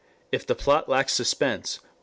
If the plot lacks suspense: 1.